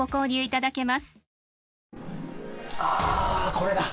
これだ！